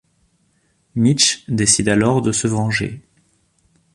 Mitch décide alors de se venger...